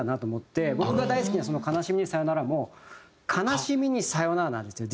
僕が大好きな『悲しみにさよなら』も「悲しみにさよなら」なんですよ。